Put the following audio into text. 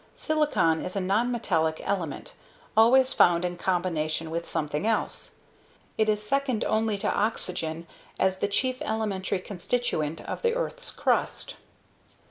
(Silicon is a nonmetallic element, always found in combination with something else. It is second only to oxygen as the chief elementary constituent of the earth's crust.)